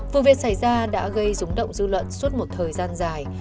vụ việc xảy ra đã gây rúng động dư luận suốt một thời gian dài